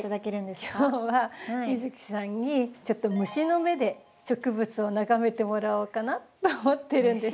今日は美月さんにちょっと虫の目で植物を眺めてもらおうかなと思ってるんです。